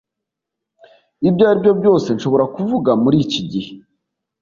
Ibyo aribyo byose nshobora kuvuga muriki gihe.